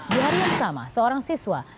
di hari yang sama seorang siswa